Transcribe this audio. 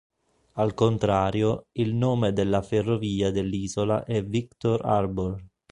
Al contrario, il nome della ferrovia dell'isola è "Victor Harbour".